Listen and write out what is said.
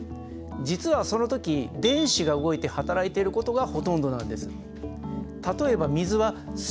実はその時電子が動いて働いていることがほとんどなんです。